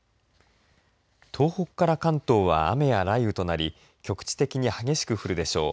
東北から関東は雨や雷雨となり局地的に激しく降るでしょう。